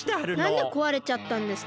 なんでこわれちゃったんですか？